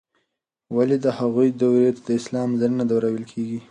ولې د هغوی دورې ته د اسلام زرینه دوره ویل کیږي؟